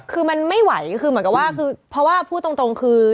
คือมันไม่ไหวเพราะว่าพูดตรงคือ